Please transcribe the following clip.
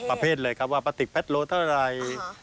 ประเภทเลยครับว่าปลาติกแพทโลเท่าไหร่